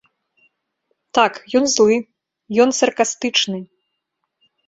Так, ён злы, ён саркастычны.